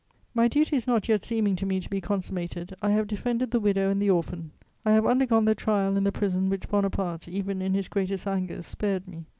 My duties not yet seeming to me to be consummated, I have defended the widow and the orphan, I have undergone the trial and the prison which Bonaparte, even in his greatest angers, spared me.